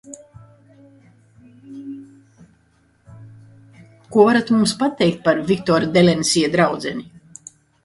Ko varat mums pateikt par Viktora Delensija draudzeni?